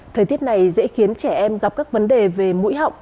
thời tiết này dễ khiến trẻ em gặp các vấn đề về mũi họng